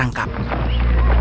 dia akan menangkap mereka